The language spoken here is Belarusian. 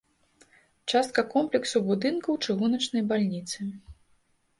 Частка комплексу будынкаў чыгуначнай бальніцы.